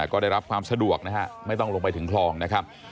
ก็ได้รับความสะดวกนะฮะไม่ต้องลงไปถึงคลองนะครับ